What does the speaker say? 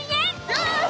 よし！